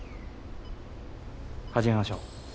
始めましょう。